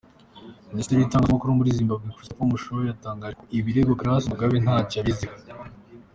Minisitiri w’Itangazamakuru muri Zimbabwe, Christopher Mushowe, yatangaje ko ibiregwa Grace Mugabe ntacyo abiziho.